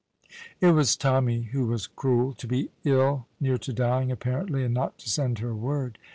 It was Tommy who was cruel. To be ill, near to dying, apparently, and not to send her word!